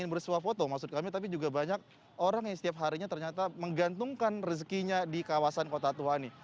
yang bersuah foto maksud kami tapi juga banyak orang yang setiap harinya ternyata menggantungkan rezekinya di kawasan kota tua ini